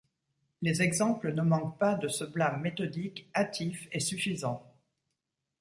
Les exemples ne manquent pas de ce blâme méthodique, hâtif et suffisant.